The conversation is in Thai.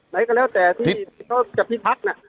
ไหนก็แล้วแต่ที่พิพักค์